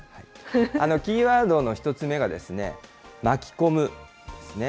キーワードの１つ目が、巻き込むですね。